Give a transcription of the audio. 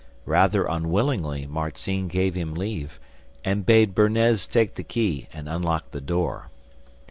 Rather unwillingly Marzinne gave him leave, and bade Bernez take the key and unlock the door.